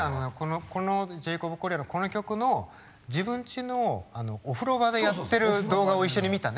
このジェイコブ・コリアーのこの曲の自分ちのお風呂場でやってる動画を一緒に見たね。